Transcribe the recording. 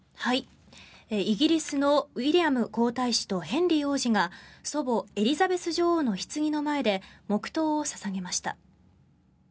イギリスのウィリアム皇太子とヘンリー王子が祖母、エリザベス女王のひつぎの前で黙祷を捧げました。